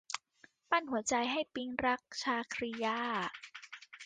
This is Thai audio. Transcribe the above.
ปั้นหัวใจให้ปิ๊งรัก - ชาครียา